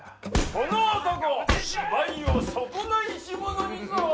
この男芝居を損ないし者に候。